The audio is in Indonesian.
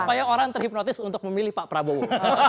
supaya orang terhipnotis untuk memilih pak prabowo